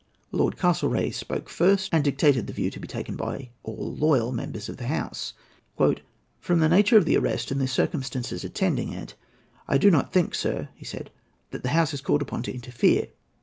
Lord Castlereagh spoke first, and dictated the view to be taken by all loyal members of the House. "From the nature of the arrest and the circumstances attending it, I do not think, sir," he said, "that the House is called upon to interfere.